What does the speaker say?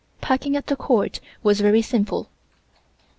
Packing at the Court was very simple.